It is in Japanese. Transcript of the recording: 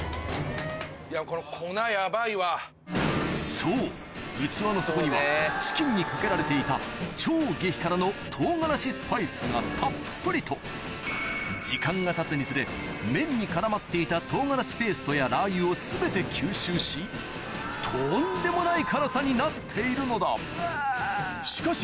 そう器の底にはチキンにかけられていた超激辛の唐辛子スパイスがたっぷりと時間がたつにつれ麺に絡まっていた唐辛子ペーストやラー油を全て吸収しとんでもない辛さになっているのだしかし